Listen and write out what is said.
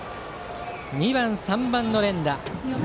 ２番、３番の連打。